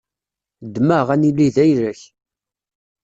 Ddem-aɣ, ad nili d ayla-k.